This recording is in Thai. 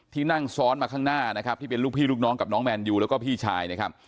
นั่งซ้อนมาข้างหน้านะครับที่เป็นลูกพี่ลูกน้องกับน้องแมนยูแล้วก็พี่ชายนะครับ